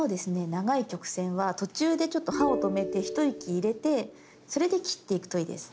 長い曲線は途中でちょっと刃を止めて一息入れてそれで切っていくといいです。